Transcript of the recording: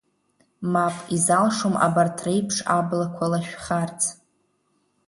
Мап, изалшом абарҭ реиԥш аблақәа лашәхарц.